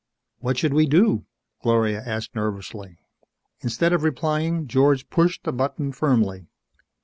"What should we do?" Gloria asked nervously. Instead of replying, George pushed the button firmly.